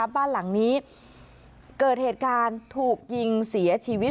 บ้านหลังนี้เกิดเหตุการณ์ถูกยิงเสียชีวิต